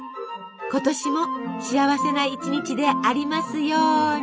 今年も幸せな一日でありますように！